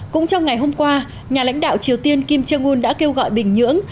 cũng trong ngày hôm qua nhà lãnh đạo triều tiên kim jong un đã kêu gọi bình nhưỡng